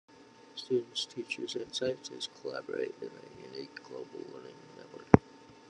Students, teachers and scientists collaborate in a unique global learning network.